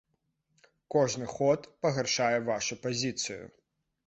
Кожны ход пагаршае вашу пазіцыю.